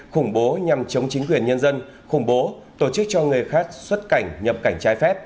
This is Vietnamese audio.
khủng bố nhằm chống chính quyền nhân dân khủng bố tổ chức cho người khác xuất cảnh nhập cảnh trái phép